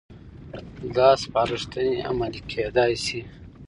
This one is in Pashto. دا سپارښتنې عملي کېدای شي.